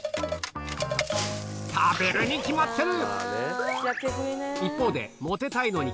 食べるに決まってる！